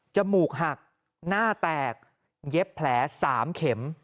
มูกหักหน้าแตกเย็บแผล๓เข็ม